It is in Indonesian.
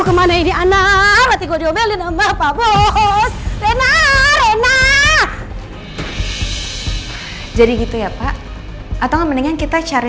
kemana ini anak mati gua diomelin sama pak bos ren ah jadi gitu ya pak atau mendingan kita cari